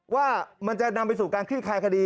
ว่ามันจะนำไปสู่การคลี่คลายคดี